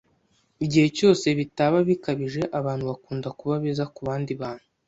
Igihe cyose bitaba bikabije, abantu bakunda kuba beza kubandi bantu.